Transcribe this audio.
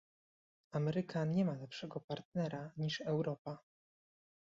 "Ameryka nie ma lepszego partnera niż Europa"